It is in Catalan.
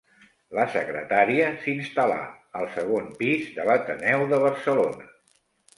La Secretaria s'instal·là al segon pis de l'Ateneu de Barcelona.